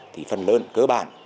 thì phần lớn cơ bản